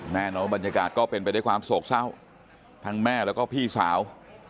น้องบรรยากาศก็เป็นไปด้วยความโศกเศร้าทั้งแม่แล้วก็พี่สาว